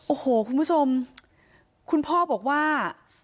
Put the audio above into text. โอ้โหคุณผู้ชมคุณพ่อบอกว่า